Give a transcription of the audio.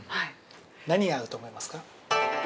◆何が合うと思いますか。